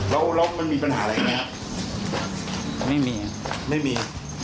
แล้วแล้วมันมีปัญหาอะไรอย่างนี้มันไม่มีไม่มี